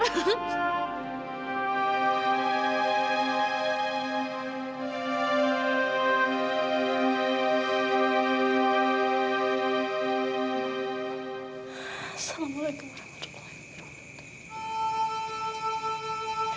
assalamualaikum warahmatullahi wabarakatuh